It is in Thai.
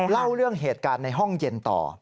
เล่าเรื่องเหตุการณ์ในห้องเย็นต่อ